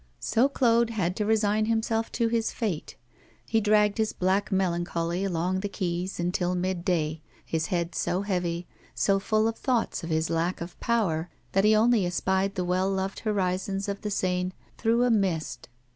So Claude had to resign himself to his fate. He dragged his black melancholy along the quays until mid day, his head so heavy, so full of thoughts of his lack of power, that he only espied the well loved horizons of the Seine through a mist.